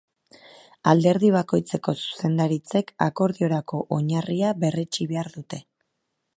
Alderdi bakoitzeko zuzendaritzek akordiorako oinarria berretsi behar dute.